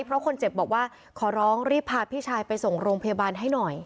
เพราะคนเจ็บบอกว่าขอร้องรีบพาพี่ชายไปส่งโรงพยาบาลให้หน่อย